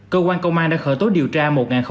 cơ quan công an đã khởi tố điều tra